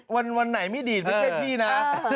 วันไหนไม่ดีดไม่ใช่พี่นะ